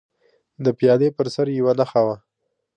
د پیالې پر سر یوه نښه وه.